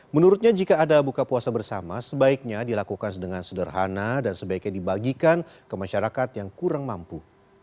menurutnya jika ada buka puasa bersama sebaiknya dilakukan dengan sederhana dan sebaiknya dibagikan ke masyarakat yang kurang mampu